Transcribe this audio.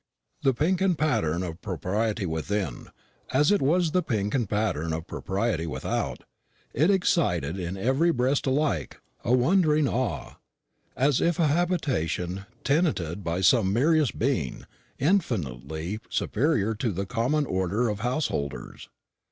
The pink and pattern of propriety within, as it was the pink and pattern of propriety without, it excited in every breast alike a wondering awe, as of a habitation tenanted by some mysterious being, infinitely superior to the common order of householders.